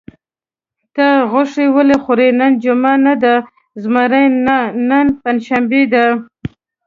ته غوښې ولې خورې؟ نن جمعه نه ده؟ زمري: نه، نن پنجشنبه ده.